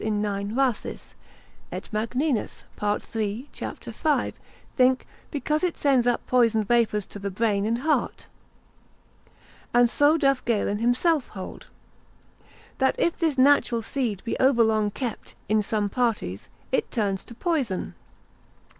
in 9. Rhasis, et Magninus, part. 3. cap. 5, think, because it sends up poisoned vapours to the brain and heart. And so doth Galen himself hold, That if this natural seed be over long kept (in some parties) it turns to poison.